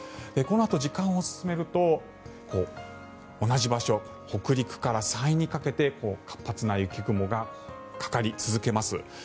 このあと時間を進めると同じ場所、北陸から山陰にかけて活発な雪雲がかかり続けます。